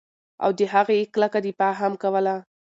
او د هغې نه ئي کلکه دفاع هم کوله